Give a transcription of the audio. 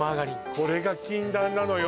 これが禁断なのよ